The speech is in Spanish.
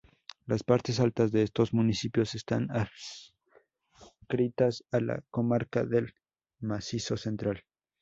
Las partes altas de estos municipios están adscritas a la comarca del Macizo Central.